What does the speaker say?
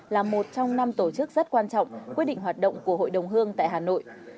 là một trong năm tổ chức rất quan trọng quyết định hoạt động của hội đồng hương tại hà nội